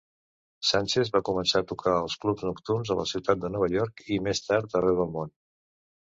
Sánchez va començar a tocar en clubs nocturns a la ciutat de Nova York, i més tard arreu del món.